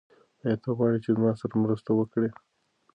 آیا ته غواړې چې زما سره مرسته وکړې؟